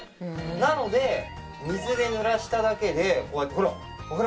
なので水でぬらしただけでほら！